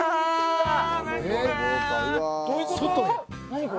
何？